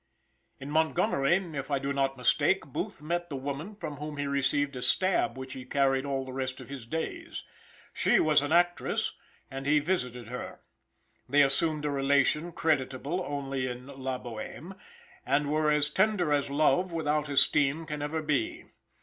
In Montgomery, if I do not mistake, Booth met the woman from whom he received a stab which he carried all the rest of his days. She was an actress, and he visited her. They assumed a relation creditable only in La Boheme, and were as tender as love without esteem can ever be.